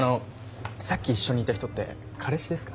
さっき一緒にいた人って彼氏ですか？